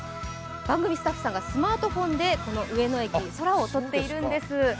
番組スタッフさんがスマートフォンでこの上野駅の空を撮っているんです。